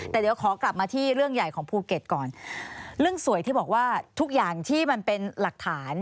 แต่เดี๋ยวขอกลับมาที่เรื่องใหญ่ของภูเก็ตก่อนเรื่องสวยที่บอกว่าทุกอย่างที่มันเป็นหลักฐาน